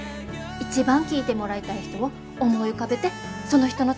一番聴いてもらいたい人を思い浮かべてその人のために歌う。